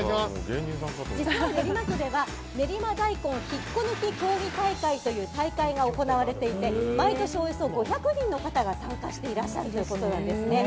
実は、練馬区では練馬大根引っこ抜き競技大会という大会がが行われていて毎年およそ５００人の方が参加しているということです。